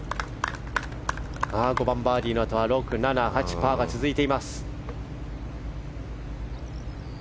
５番、バーディーのあとは６、７、８とパーが続いています。